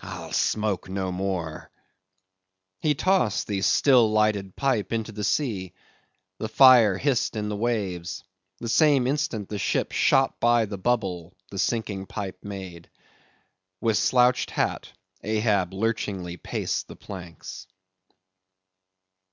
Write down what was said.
I'll smoke no more—" He tossed the still lighted pipe into the sea. The fire hissed in the waves; the same instant the ship shot by the bubble the sinking pipe made. With slouched hat, Ahab lurchingly paced the planks.